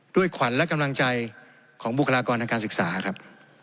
ขวัญและกำลังใจของบุคลากรทางการศึกษาครับ